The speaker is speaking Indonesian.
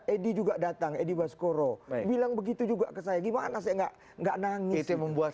edi juga datang edi baskoro bilang begitu juga ke saya gimana saya enggak enggak nangis membuat